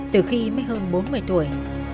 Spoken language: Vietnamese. từ khi mới hơn bốn mươi tuổi